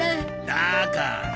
だから。